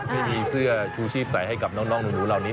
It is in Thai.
ให้มีเสื้อชูชีพใส่ให้กับน้องหนูเหล่านี้